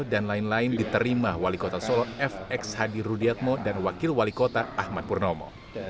lain lain diterima wali kota solo fx hadi rudiatmo dan wakil wali kota ahmad purnomo